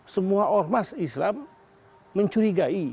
semua ormas islam mencurigai